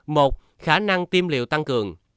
một khả năng tiêm liệu tăng cường